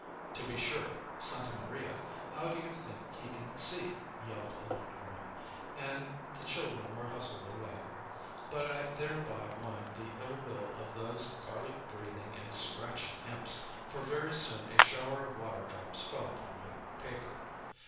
"To be sure! Santa Maria! How do you think he can see?" yelled an old woman, and the children were hustled away. But I thereby won the ill will of those garlic breathing and scratching imps, for very soon a shower of water drops fell upon my paper.